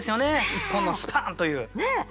一本のスパーンという。